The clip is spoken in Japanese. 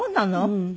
うん。